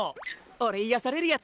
俺癒やされるやつ！